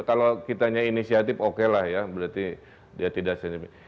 kalau kitanya inisiatif okelah ya berarti dia tidak sensitif